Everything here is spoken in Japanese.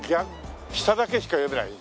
下だけしか読めない。